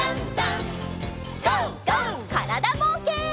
からだぼうけん。